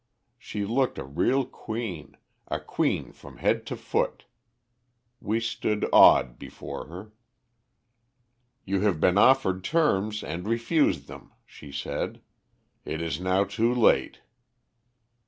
She looked a real queen, a queen from head to foot. We stood awed before her. "'You have been offered terms and refused them,' she said. 'It is now too late.'